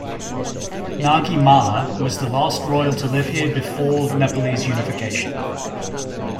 Nagi Malla was the last royal to live here before Nepalese unification.